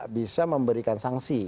bisa memberikan sanksi